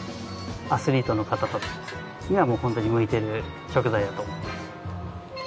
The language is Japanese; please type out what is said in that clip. アスリートの方たちにはホントに向いてる食材だと。